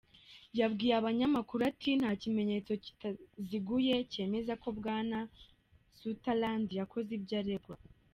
Yabwiye abanyamakuru ati: "Nta kimenyetso kitaziguye cyemeza ko Bwana Sutherland yakoze ibyo aregwa.